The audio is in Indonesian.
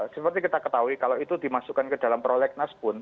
seperti kita ketahui kalau itu dimasukkan ke dalam prolegnas pun